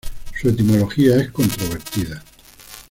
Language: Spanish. Su etimología es controvertida.